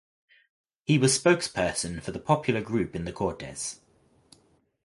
He was spokesperson for the popular group in the Cortes.